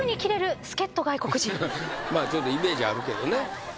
ちょっとイメージあるけどね。